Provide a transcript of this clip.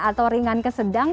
atau ringan kesedang